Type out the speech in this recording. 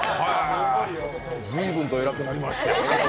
随分と偉くなりましたね。